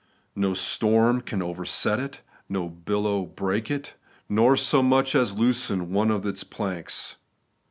No storm can overset it, no billow break it, nor so much as loosen one of its planks.